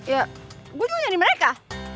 ya gue nyari mereka